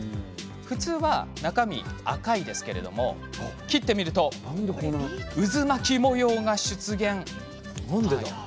普通は中身、赤いのですが切ってみると渦巻き模様が出現。